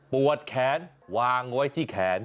ปวดแขนวางไว้ที่แขน